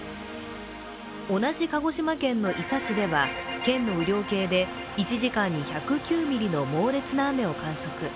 同じ鹿児島県の伊佐市では県の雨量計で１時間に１０９ミリの猛烈な雨を観測。